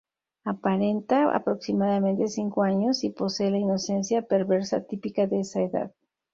Aparenta aproximadamente cinco años y posee la inocencia perversa típica de esa edad.